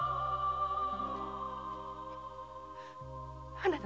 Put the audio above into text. あなた！